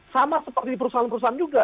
sama seperti di perusahaan perusahaan juga